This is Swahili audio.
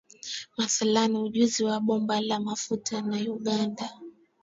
Mathalani ujenzi wa bomba la mafuta na Uganda